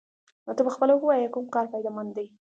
نو ته پخپله ووايه كوم كار فايده مند دې؟